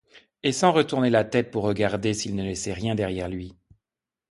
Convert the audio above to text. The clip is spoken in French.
Et sans retourner la tête pour regarder s’il ne laissait rien derrière lui!